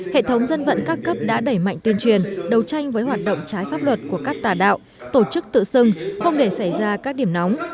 hệ thống dân vận các cấp đã đẩy mạnh tuyên truyền đấu tranh với hoạt động trái pháp luật của các tà đạo tổ chức tự xưng không để xảy ra các điểm nóng